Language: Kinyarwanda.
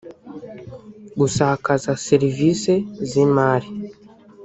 gusakaza serivisi z’imari